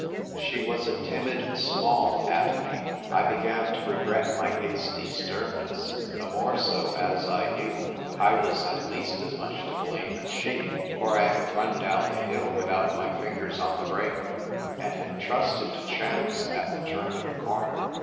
She was a timid small atom}'. I began to regret my hasty sternness, the more so as I knew I was at least as much to blame as she, for I had run down the hill without my fingers on the break, and had trusted to chance at the turn of the corner.